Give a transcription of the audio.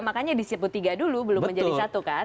makanya disipu tiga dulu belum menjadi satu kan